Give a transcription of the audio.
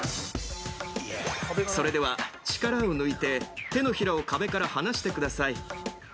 それでは力を抜いて手のひらを壁から離してください。